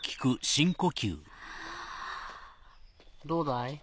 どうだい？